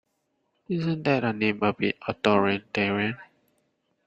Isn’t that name a bit authoritarian?